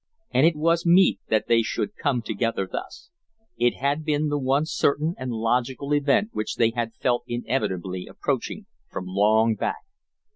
And it was meet that they should come together thus. It had been the one certain and logical event which they had felt inevitably approaching from long back.